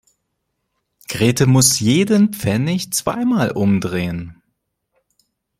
Grete muss jeden Pfennig zweimal umdrehen.